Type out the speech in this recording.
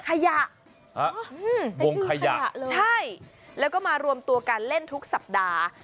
ขยะวงขยะเลยใช่แล้วก็มารวมตัวกันเล่นทุกสัปดาห์